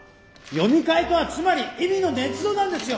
読み替えとはつまり意味のねつ造なんですよ！